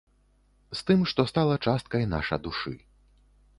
З тым, што стала часткай наша душы.